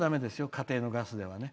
家庭のガスでは。